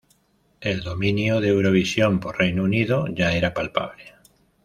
El dominio de Eurovisión por Reino Unido ya era palpable.